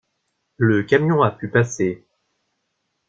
Le camion a pu passer.